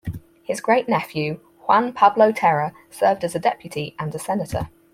His great-nephew Juan Pablo Terra served as a Deputy and a Senator.